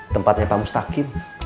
tempatnya pak mustaqim